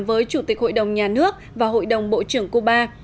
với chủ tịch hội đồng nhà nước và hội đồng bộ trưởng cuba